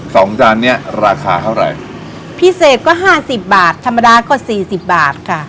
จานเนี้ยราคาเท่าไหร่พิเศษก็ห้าสิบบาทธรรมดาก็สี่สิบบาทค่ะ